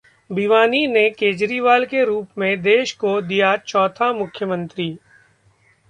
भिवानी ने केजरीवाल के रूप में देश को दिया चौथा मुख्यमंत्री